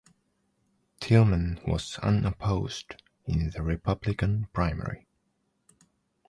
Tilman was unopposed in the Republican primary.